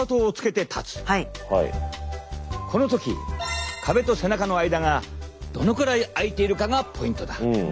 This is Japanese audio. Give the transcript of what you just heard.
この時壁と背中の間がどのくらい開いているかがポイントだ！